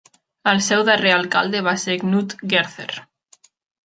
El seu darrer alcalde va ser Knud Gerther.